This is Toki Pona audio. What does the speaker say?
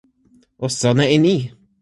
o sona e ni!